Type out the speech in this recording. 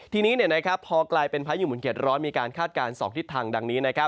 ทีนี้พอกลายเป็นพายุหมุนเด็ดร้อนมีการคาดการณ์๒ทิศทางดังนี้